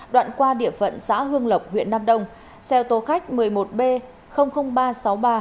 đoạn qua địa phận xã hương lộc huyện nam đông xe ô tô khách một mươi một b ba trăm sáu mươi ba